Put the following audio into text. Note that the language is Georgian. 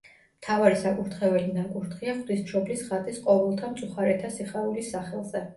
მთავარი საკურთხეველი ნაკურთხია ღვთისმშობლის ხატის ყოველთა მწუხარეთა სიხარულის სახელზე.